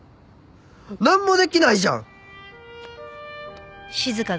なんもできないじゃん！